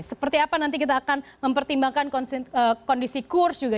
seperti apa nanti kita akan mempertimbangkan kondisi kurs juga